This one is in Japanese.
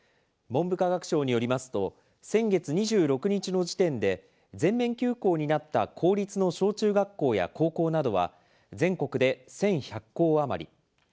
文部科学省によりますと、先月２６日の時点で全面休校になった公立の小中学校や高校などは、全国で１１００校余り。